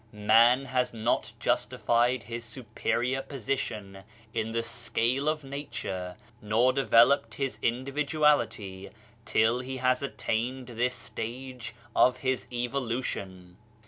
Man has not justified his superior position in the scale of nature, nor developed his individuality, till he has attained this stage of his evolution.